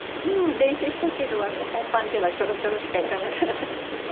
練習したけど本番ではチョロチョロしか行かなかったですけど。